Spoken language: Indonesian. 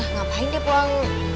ngapain dia pulang